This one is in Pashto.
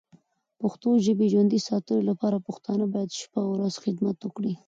پښتو ژبی ژوندی ساتلو لپاره پښتانه باید شپه او ورځ خدمت وکړې.